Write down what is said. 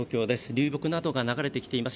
流木などが流れてきています